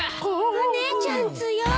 お姉ちゃん強ーい！